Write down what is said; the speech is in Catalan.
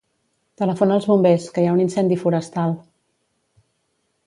Telefona als bombers, que hi ha un incendi forestal.